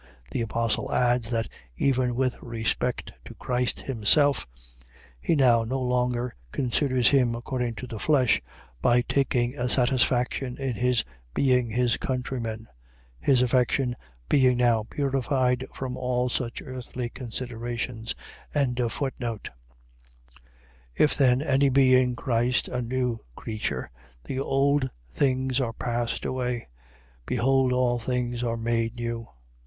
The apostle adds, that even with respect to Christ himself, he now no longer considers him according to the flesh, by taking a satisfaction in his being his countryman; his affection being now purified from all such earthly considerations. 5:17. If then any be in Christ a new creature, the old things are passed away. Behold all things are made new.